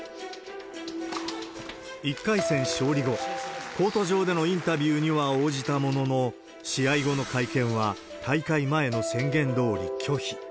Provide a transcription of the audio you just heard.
１回戦勝利後、コート上でのインタビューには応じたものの、試合後の会見は大会前の宣言どおり拒否。